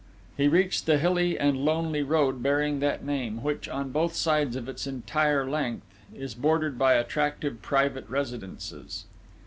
He reached the hilly and lonely road bearing that name, which, on both sides of its entire length, is bordered by attractive private residences.